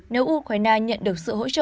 nếu ukraine nhận được sự hỗ trợ